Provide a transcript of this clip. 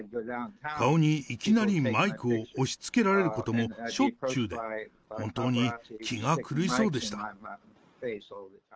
顔にいきなりマイクを押しつけられることもしょっちゅうで、本当に気が狂いそうでした。